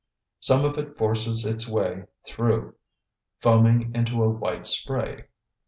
Some of it forces its way through, foaming into a white spray.